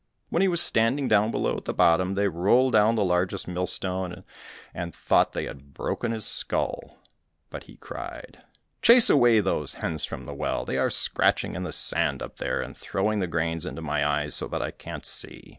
When he was standing down below at the bottom, they rolled down the largest mill stone and thought they had broken his skull, but he cried, "Chase away those hens from the well, they are scratching in the sand up there, and throwing the grains into my eyes, so that I can't see."